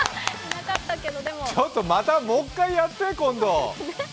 ちょっと、またもう一回やって、今度。